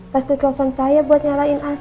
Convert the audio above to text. pasti telepon saya buat nyalain